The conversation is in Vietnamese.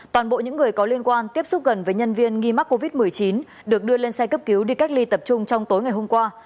toàn bộ những người có liên quan tiếp xúc gần với nhân viên nghi mắc covid một mươi chín được đưa lên xe cấp cứu đi cách ly tập trung trong tối ngày hôm qua